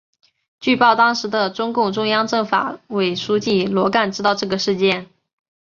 据报当时的中共中央政法委书记罗干知道这个事件。